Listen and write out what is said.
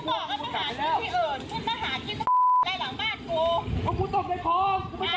เขามีบ้างนอนแหวะนะ